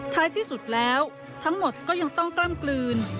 ท้ายที่สุดแล้วทั้งหมดก็ยังต้องกล้ำกลืน